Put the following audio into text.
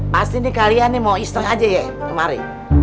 pasti kalian mau istirahat aja ya kemari